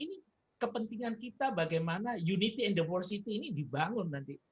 ini kepentingan kita bagaimana unity and diversity ini dibangun nanti